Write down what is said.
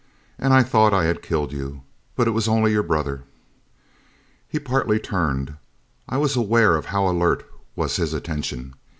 "And I thought I had killed you. But it was only your brother." He partly turned. I was aware of how alert was his attention.